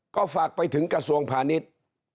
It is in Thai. ก็ฝากไปถึงกระทรวงพาณิชย์